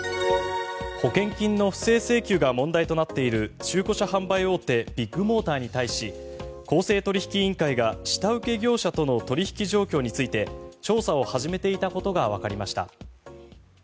保険金の不正請求が問題となっている中古車販売大手ビッグモーターに対し公正取引委員会が下請け業者との取引状況について調査を始めていたことがわかりました。